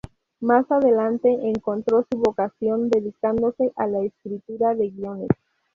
Más adelante encontró su vocación dedicándose a la escritura de guiones.